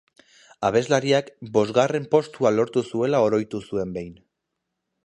Abeslariak bosgarren postua lortu zuela oroitu zuen behin.